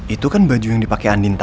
itu kan baju yang dipakai andina